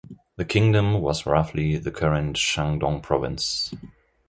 The kingdom was roughly the current Shandong province.